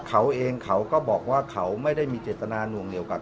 อ๋อขออนุญาตเป็นในเรื่องของการสอบสวนปากคำแพทย์ผู้ที่เกี่ยวข้องให้ชัดแจ้งอีกครั้งหนึ่งนะครับ